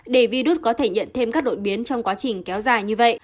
để virus có thể nhận thêm các đội biến trong quá trình kéo dài như vậy